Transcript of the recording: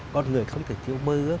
con người không thể thiếu mơ ước